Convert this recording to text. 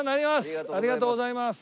ありがとうございます。